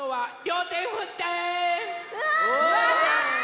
うわ！